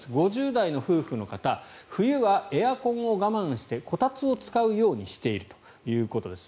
５０代の夫婦の方冬はエアコンを我慢してこたつを使うようにしているということです。